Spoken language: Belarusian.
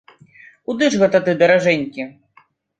Куды ж гэта ты, даражэнькі?